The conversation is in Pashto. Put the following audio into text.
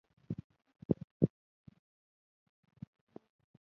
بټه ګوته يي لوړه او نورې ګوتې يې بېلې وې.